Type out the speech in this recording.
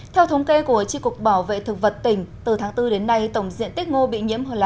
theo thống kê của chi cục bảo vệ thực vật tỉnh từ tháng bốn đến nay tổng diện tích ngô bị nhiễm là hơn một hectare